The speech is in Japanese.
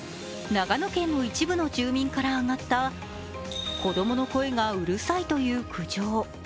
長野県の一部の住民から上がった子供の声がうるさいという苦情。